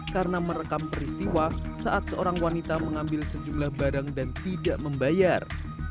karena merekam peristiwa saat seorang wanita mengambil sejumlah barang dan tidak membayar